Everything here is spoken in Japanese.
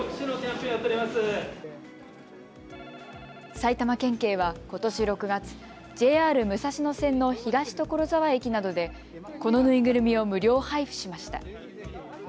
埼玉県警はことし６月、ＪＲ武蔵野線の東所沢駅などでこのぬいぐるみを無料配付しました。